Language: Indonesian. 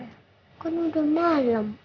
esok temen dia udah ke masjid itu